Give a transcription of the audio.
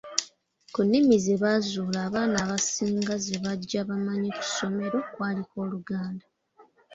Ku nnimi ze baazuula abaana abasinga ze bajja bamanyi ku ssomero kwaliko Oluganda.